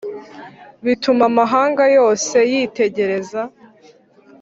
Bituma amahanga yose yitegereza